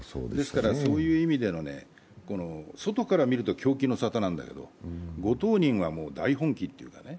そういう意味での外から見ると狂気の沙汰なんだけれども、ご当人は大本気というかね。